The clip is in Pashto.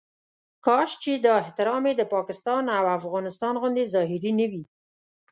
کاش چې دا احترام یې د پاکستان او افغانستان غوندې ظاهري نه وي.